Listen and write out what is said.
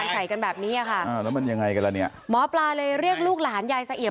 อยากให้เป็นไงไหมเป็นไงไหม